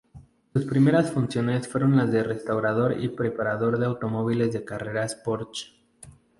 Sus primeras funciones fueron las de restaurador y preparador de automóviles de carreras Porsche.